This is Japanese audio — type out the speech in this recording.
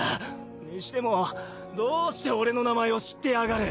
にしてもどうして俺の名前を知ってやがる？